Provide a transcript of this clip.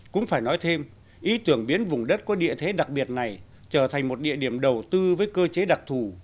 cũng phải nói thêm ý tưởng biến vùng đất có địa thế đặc biệt này trở thành một địa điểm đầu tư với cơ chế đặc thù